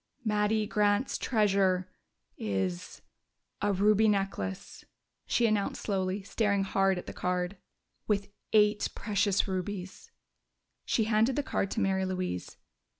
"Mattie Grant's treasure is a ruby necklace," she announced slowly, staring hard at the card. "With eight precious rubies!" She handed the card to Mary Louise.